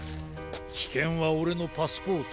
きけんはオレのパスポート。